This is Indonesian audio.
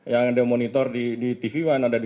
yang ada monitor di tv one ada di